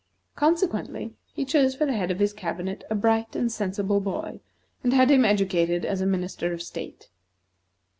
Consequently he chose for the head of his cabinet a bright and sensible boy, and had him educated as a Minister of State.